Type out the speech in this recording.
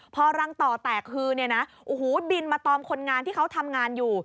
พอรังต่อแตกคือบินมาตอมคนงานที่เขาทำงานอยู่